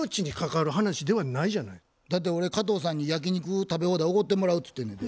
だって俺加藤さんに焼き肉食べ放題おごってもらうつってんねんで。